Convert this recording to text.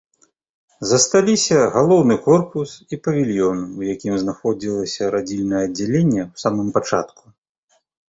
Засталіся галоўны корпус і павільён, у якім знаходзілася радзільнае аддзяленне ў самым пачатку.